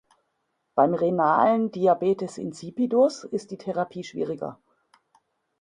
Beim renalen "Diabetes insipidus" ist die Therapie schwieriger.